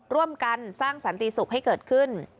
ร่วมกันสร้างสันติสุขให้เกิดขึ้น